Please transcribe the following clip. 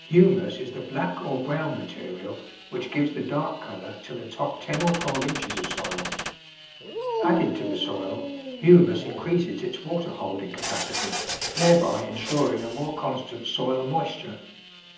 Humus is the black or brown material which gives the dark colour to the top ten or twelve inches of soil. Added to the soil, humus increases its water holding capacity, thereby insuring a more constant soil moisture.